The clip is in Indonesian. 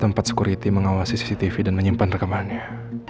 tempat security mengawasi cctv dan menyimpan rekamannya